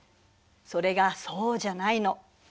それがそうじゃないの。